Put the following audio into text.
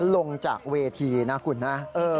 ลงจากเวทีนะคุณนะ